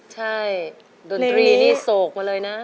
ใช่ดนตรีนี่โศกมาเลยนะ